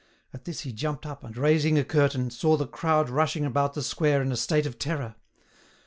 At this he jumped up, and raising a curtain, saw the crowd rushing about the square in a state of terror.